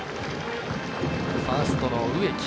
ファーストの植木。